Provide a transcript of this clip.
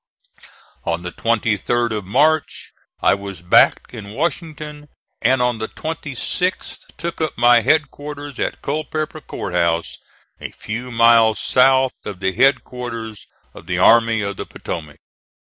On the 23d of March I was back in Washington, and on the 26th took up my headquarters at Culpeper Court House, a few miles south of the headquarters of the Army of the Potomac.